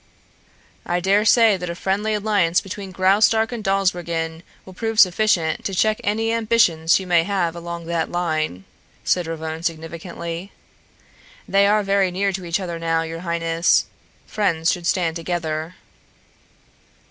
"I daresay that a friendly alliance between Graustark and Dawsbergen will prove sufficient to check any ambitions she may have along that line," said Ravone significantly. "They are very near to each other now, your highness. Friends should stand together."